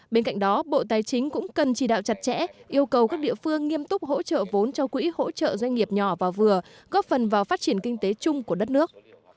bên cạnh đó bộ tài chính cũng cần chỉ đạo chặt chẽ yêu cầu các địa phương nghiêm túc hỗ trợ vốn cho quỹ hỗ trợ doanh nghiệp nhỏ và vừa góp phần vào phát triển kinh tế chung của đất nước